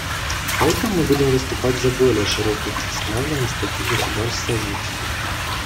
Поэтому мы будем выступать за более широкую представленность таких государств в Совете.